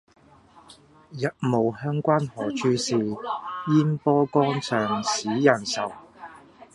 日暮鄉關何處是，煙波江上使人愁。